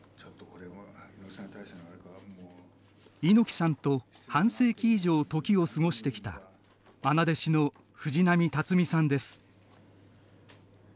猪木さんと半世紀以上時を過ごしてきたまな弟子の藤波辰爾さんです。